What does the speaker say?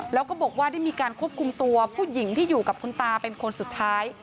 แล้วก็บอกว่าได้มีการควบคุมตัวผู้หญิงที่อยู่กับคุณตาเป็นคนสุดท้าย